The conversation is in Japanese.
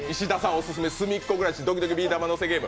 オススメ、「すみっコぐらしどきどきビー玉のせゲーム」